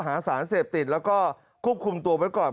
หาสารเสพติดแล้วก็ควบคุมตัวไว้ก่อน